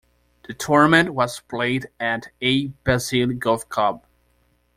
The tournament was played at Ayr Belleisle Golf Club.